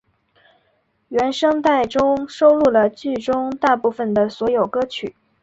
原声带中收录了剧中大部份的所有歌曲。